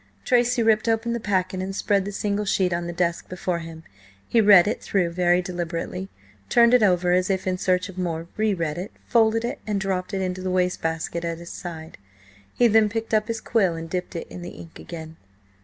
Tracy ripped open the packet and spread the single sheet on the desk before him. He read it through very deliberately, turned it over, as if in search of more, re read it, folded it, and dropped it into the wastebasket at his side. He then picked up his quill and dipped it in the ink again.